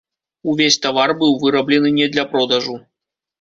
Увесь тавар быў выраблены не для продажу.